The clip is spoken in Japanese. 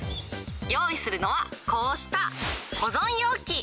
用意するのは、こうした保存容器。